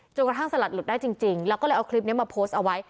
กระทั่งสลัดหลุดได้จริงแล้วก็เลยเอาคลิปนี้มาโพสต์เอาไว้